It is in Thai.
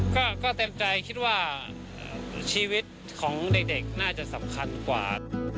ก็เต็มใจคิดว่าชีวิตของเด็กน่าจะสำคัญกว่า